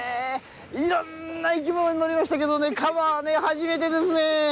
いろんな生き物に乗りましたけどカバは初めてですね。